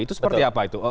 itu seperti apa itu